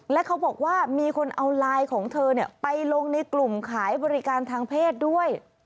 และเขาบอกว่ามีคนเอาไลน์ของเธอไปลงในกลุ่มขายบริการทางเพศด้วย